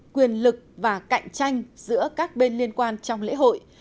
quyền lực và cạnh tranh giữa các bên liên quan trong lễ hội